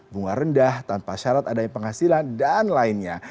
bunga rendah tanpa syarat adanya penghasilan dan lainnya